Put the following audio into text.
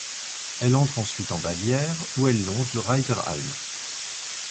Elle entre ensuite en Bavière où elle longe le Reiteralm.